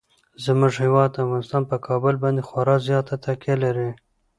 زموږ هیواد افغانستان په کابل باندې خورا زیاته تکیه لري.